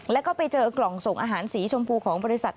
แล้วก็ไปเจอกล่องส่งอาหารสีชมพูของบริษัท